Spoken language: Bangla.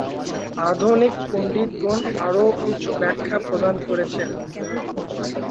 আধুনিক পণ্ডিতগণ আরও কিছু ব্যাখ্যা প্রদান করেছেন।